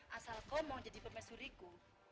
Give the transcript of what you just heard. asal kau mau jadi pemesuriku